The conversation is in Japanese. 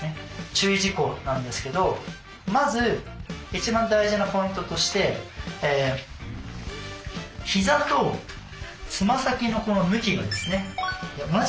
注意事項なんですけどまず一番大事なポイントとしてひざとつま先のこの向きがですね